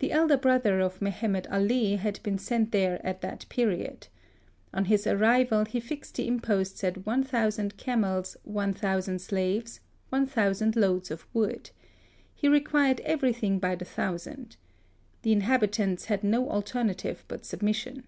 The elder brother of Mehemet Ali had been sent there at that period. On his arrival he fixed the imposts at 1000 camels, 1000 slaves, 1000 loads . of wood. He required everything by the 36 HISTORY OF thousand. The inhabitants had no alter native but submission.